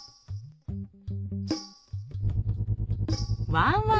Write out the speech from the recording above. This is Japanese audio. ワンワン